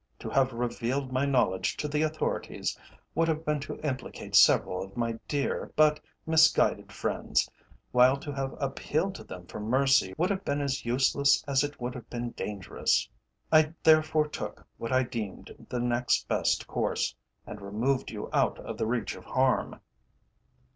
To have revealed my knowledge to the Authorities would have been to implicate several of my dear, but misguided, friends, while to have appealed to them for mercy would have been as useless as it would have been dangerous. I therefore took what I deemed the next best course, and removed you out of the reach of harm."